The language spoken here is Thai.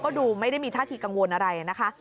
ก็ดูไม่ได้มีท่าทีกังวลอะไรนะคะ